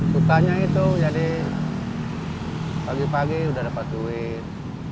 dukanya itu jadi pagi pagi udah dapat duit